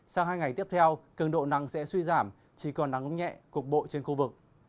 sang hai ngày tiếp theo cường độ nắng sẽ suy giảm chỉ còn nắng nhẹ cục bộ trên khu vực